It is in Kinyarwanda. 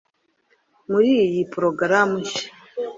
Muri iyi porogaramu nshya